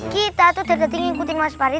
kita tuh der derting ikutin mas fary